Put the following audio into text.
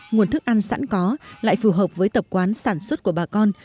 nguồn thức ăn sẵn có lại phù hợp với tập quán sản xuất của bà con